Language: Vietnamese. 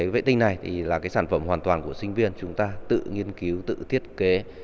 vệ tinh này là sản phẩm hoàn toàn của sinh viên chúng ta tự nghiên cứu tự thiết kế